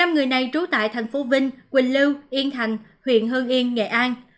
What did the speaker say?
năm người này trú tại thành phố vinh quỳnh lưu yên thành huyện hương yên nghệ an